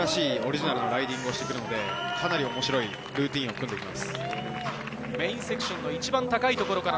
オリジナルのライディングをしてくるので、かなり面白いルーティンを組んでいます。